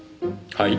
はい？